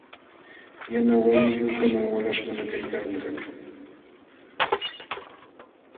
Yana wayayuqkamam walaśhkuna kaykalkan.